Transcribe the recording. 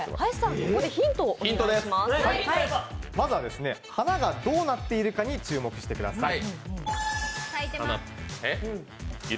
まずは、花がどうなっているかに注目してください。